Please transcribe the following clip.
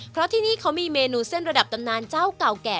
เพราะที่นี่เขามีเมนูเส้นระดับตำนานเจ้าเก่าแก่